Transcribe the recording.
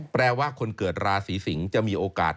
แปลว่าคนเกิดราศีสิงศ์จะมีโอกาส